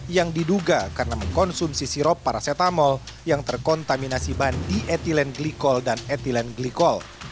yang diduga karena mengkonsumsi sirop paracetamol yang terkontaminasi ban di etilen glikol dan etilen glikol